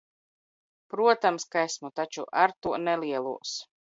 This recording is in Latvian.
Protams, ka esmu, taču ar to nelielos.